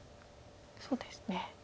そうですね。